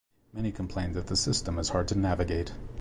Many complain that the system is hard to navigate.